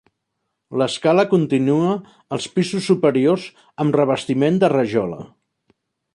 L'escala continua als pisos superiors amb revestiment de rajola.